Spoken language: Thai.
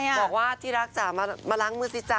บอกว่าที่รักจ๋ามาล้างมือสิจ๊